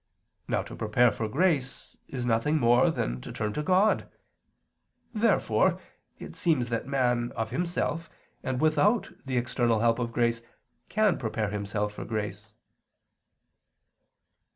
Now to prepare for grace is nothing more than to turn to God. Therefore it seems that man of himself, and without the external help of grace, can prepare himself for grace.